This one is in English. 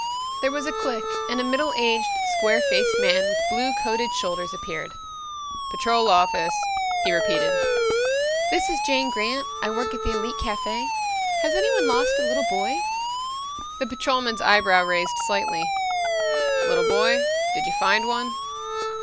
There was a click and a middle aged, square faced man with blue coated shoulders appeared. "Patrol Office," he repeated. "This is Jane Grant. I work at the Elite Cafe. Has anyone lost a little boy?" The patrolman's eyebrows raised slightly. "Little boy? Did you find one?"